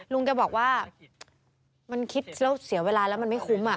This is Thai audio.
ลุงแกบอกว่ามันคิดแล้วเสียเวลาแล้วมันไม่คุ้ม